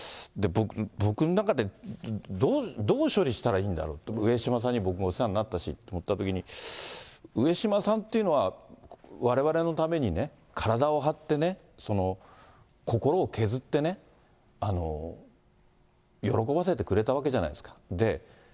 僕の中で、どう処理したらいいんだろうと、上島さんに僕もお世話になったしと思ったときに、上島さんっていうのは、われわれのためにね、体を張ってね、心を削ってね、喜ばせてくれたわけじゃないですか。